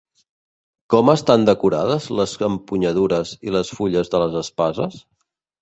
Com estan decorades les empunyadures i les fulles de les espases?